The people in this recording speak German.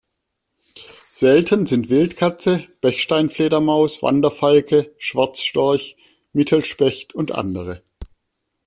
Selten sind Wildkatze, Bechstein-Fledermaus, Wanderfalke, Schwarzstorch, Mittelspecht und andere.